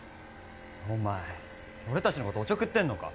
お前俺たちのことおちょくってんのか！？